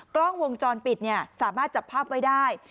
กล้องวงจรปิดสามารถจับภาพไว้ได้